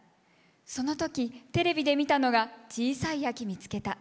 その時テレビで見たのが「ちいさい秋みつけた」。